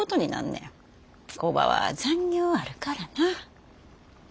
工場は残業あるからな。